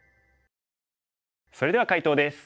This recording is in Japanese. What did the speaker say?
それでは解答です。